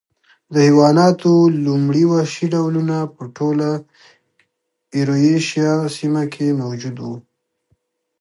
د حیواناتو لومړي وحشي ډولونه په ټوله ایرویشیا سیمه کې موجود و